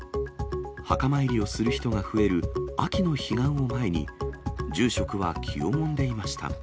墓参りをする人が増える秋の彼岸を前に、住職は気をもんでいました。